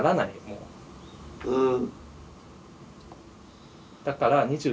うん。